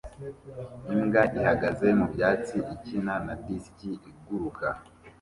Imbwa ihagaze mubyatsi ikina na disiki iguruka